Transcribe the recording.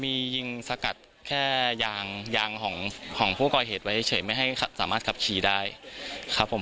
มียิงสกัดแค่ยางยางของผู้ก่อเหตุไว้เฉยไม่ให้สามารถขับขี่ได้ครับผม